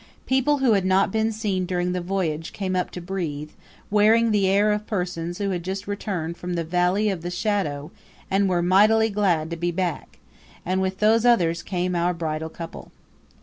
People who had not been seen during the voyage came up to breathe, wearing the air of persons who had just returned from the valley of the shadow and were mighty glad to be back; and with those others came our bridal couple.